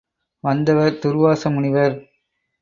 வந்தவர் துர்வாச முனிவர்.